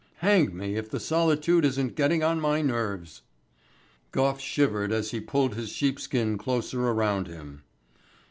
Hang me if the solitude isn't getting on my nerves." Gough shivered as he pulled his sheepskin closer around him.